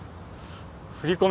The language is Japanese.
振り込め